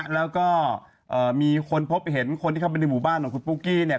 แล้วก็มีคนพบเห็นคนที่เข้าไปในหมู่บ้านของคุณปุ๊กกี้เนี่ย